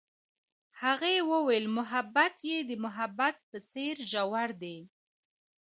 هغې وویل محبت یې د محبت په څېر ژور دی.